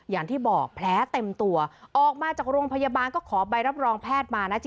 อย่างที่บอกแผลเต็มตัวออกมาจากโรงพยาบาลก็ขอใบรับรองแพทย์มานะ